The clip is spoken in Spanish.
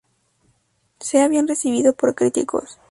Sea bien recibido por críticos.